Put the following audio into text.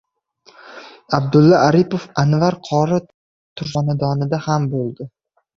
Abdulla Aripov Anvar qori Tursunov xonadonida ham bo‘ldi